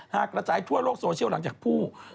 กระจายทั่วโลกโซเชียลหลังจากผู้